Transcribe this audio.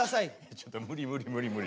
ちょっと無理無理無理無理。